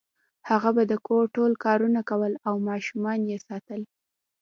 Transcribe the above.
هغه به د کور ټول کارونه کول او ماشومان یې ساتل